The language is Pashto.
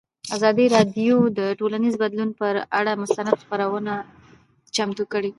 ازادي راډیو د ټولنیز بدلون پر اړه مستند خپرونه چمتو کړې.